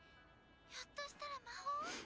「ひょっとしたら魔法？」。